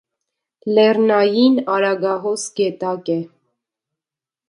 Լեռնային արագահոս գետակ է։